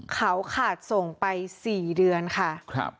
เขาขาดส่งไป๔เดือนค่ะ